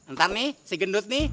ntar nih si gendut nih